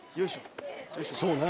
そうね。